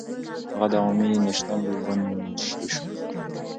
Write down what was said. هغه د عوامي نېشنل ګوند منشي شو.